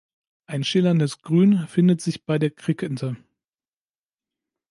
Ein schillerndes Grün findet sich bei der Krickente.